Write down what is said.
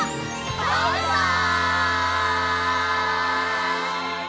バイバイ！